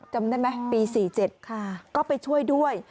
จำได้ไหมปี๔๗ก็ไปช่วยด้วย